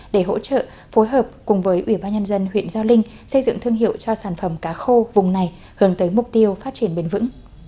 để hỗ trợ phối hợp cùng với ủy ban nhân dân huyện gio linh xây dựng thương hiệu cho sản phẩm cá khô vùng này hướng tới mục tiêu phát triển bền vững